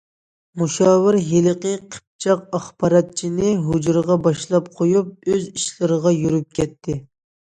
مۇشاۋىر ھېلىقى قىپچاق ئاخباراتچىنى ھۇجرىغا باشلاپ قويۇپ ئۆز ئىشلىرىغا يۈرۈپ كەتتى.